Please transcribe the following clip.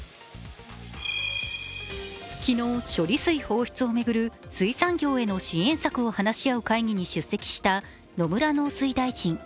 昨日、処理水放出を巡る水産業への支援策を話し合う会議に出席した野村農水大臣。